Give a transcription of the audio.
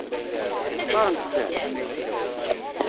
Xtaṛent-ten?